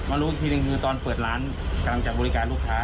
รู้อีกทีหนึ่งคือตอนเปิดร้านกำลังจะบริการลูกค้า